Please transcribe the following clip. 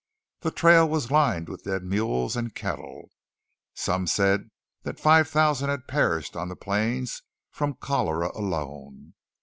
The trail was lined with dead mules and cattle. Some said that five thousand had perished on the plains from cholera alone.